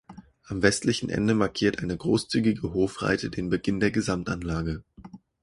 Am westlichen Ende markiert eine großzügige Hofreite den Beginn der Gesamtanlage.